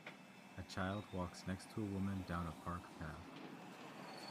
A child walks next to a woman down a park path.